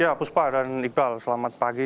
ya puspa dan iqbal selamat pagi